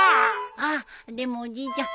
あっでもおじいちゃん